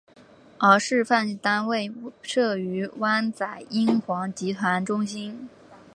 而示范单位设于湾仔英皇集团中心。